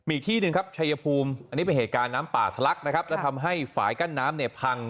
อีกที่หนึ่งครับชัยภูมิอันนี้เป็นเหตุการณ์น้ำป่าทะลักนะครับแล้วทำให้ฝ่ายกั้นน้ำเนี่ยพัง